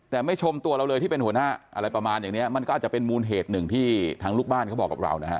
แต่ไม่ชมตัวเราเลยที่เป็นหัวหน้าอะไรประมาณอย่างเนี้ยมันก็อาจจะเป็นมูลเหตุหนึ่งที่ทางลูกบ้านเขาบอกกับเรานะฮะ